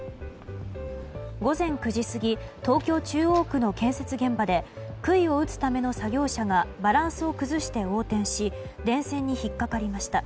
午前９時過ぎ東京・中央区の建設現場で杭を打つための作業車がバランスを崩して横転し電線に引っ掛かりました。